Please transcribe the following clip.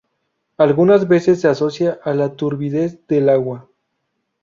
Algunas veces se asocia a la turbidez del agua.